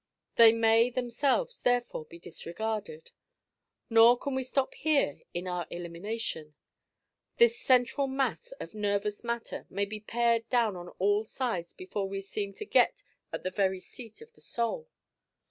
They may themselves therefore be disregarded. Nor can we stop here in our elimination. This central mass of nervous matter may be pared down on all sides before we seem to get at the very seat of the soul.